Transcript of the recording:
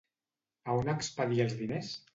A on expedia els diners?